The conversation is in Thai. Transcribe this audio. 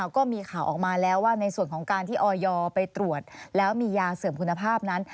ก็มีข่าวออกมาแล้วว่าในส่วนของการที่ออยไปตรวจแล้วมียาเสื่อมคุณภาพนั้น